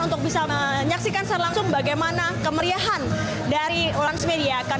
untuk bisa menyaksikan secara langsung bagaimana kemeriahan dari transmedia ke enam belas